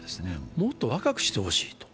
もっと若くしてほしいと。